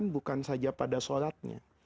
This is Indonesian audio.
bukan saja pada sholatnya